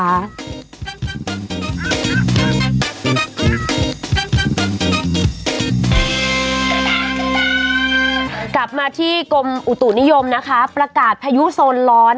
กลับมาที่กรมอุตุนิยมนะคะประกาศพายุโซนร้อน